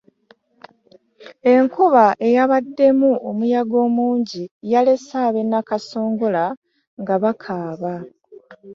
Enkuba eyabaddemu omuyagga omungi yalese abe Nakasongorea nga bakaaba.